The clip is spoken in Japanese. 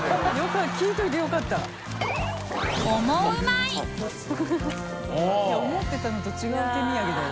いや思ってたのと違う手土産だよ。